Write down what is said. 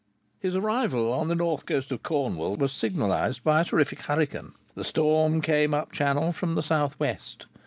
His arrival on the north coast of Cornwall was signalized by a terrific hurricane. The storm came up Channel from the south west.